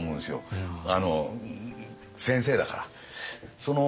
先生だから。